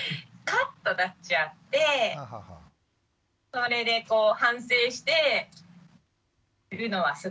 カッとなっちゃってそれでこう反省しているのはすごくよく見ます。